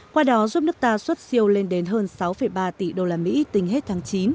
qua đó giúp nước ta xuất siêu lên đến hơn sáu ba tỷ đô la mỹ tính hết tháng chín